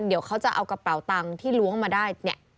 เดี๋ยวเขาจะเอากระเป๋าตังค์ที่ล้วงมาได้เนี่ย